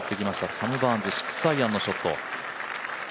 サム・バーンズ６アイアンのショット。